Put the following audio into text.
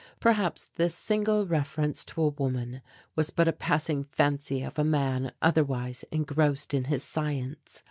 Perhaps this single reference to a woman was but a passing fancy of a man otherwise engrossed in his science.